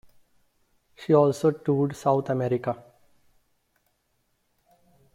She also toured South America.